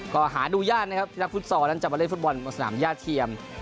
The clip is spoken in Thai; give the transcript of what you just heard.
ก็หาดูยากนะครับที่นักฟุตซอลนั้นจะมาเล่นฟุตบอลบนสนามย่าเทียม